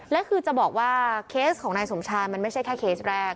และคือจะบอกว่าเคสของนายสมชายมันไม่ใช่แค่เคสแรก